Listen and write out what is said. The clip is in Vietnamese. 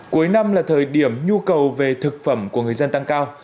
cuối năm là thời điểm nhu cầu về thực phẩm của người dân tăng cao